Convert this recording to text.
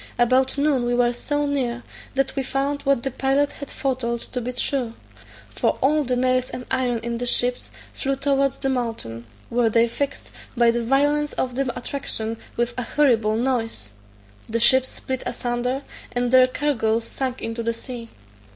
About noon we were so near, that we found what the pilot had foretold to be true; for all the nails and iron in the ships flew towards the mountain, where they fixed, by the violence of the attraction, with a horrible noise; the ships split asunder, and their cargoes sunk into the sea.